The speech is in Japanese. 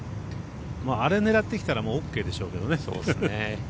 あれ、狙ってきたらＯＫでしょうけどね。